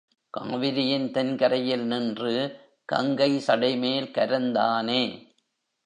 காவிரியின் தென் கரையில் நின்று, கங்கை சடைமேல் கரந்தானே!